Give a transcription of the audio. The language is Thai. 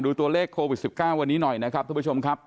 ตัวเลขโควิด๑๙วันนี้หน่อยนะครับทุกผู้ชมครับ